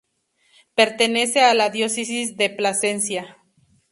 Pertenece a la Diócesis de Plasencia.